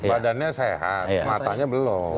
badannya sehat matanya belum